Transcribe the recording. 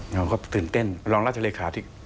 เราก็ตื่นเต้นรองราชเลขาธิ